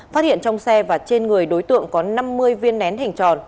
phát hiện trong xe và trên người đối tượng có năm mươi viên nén hình tròn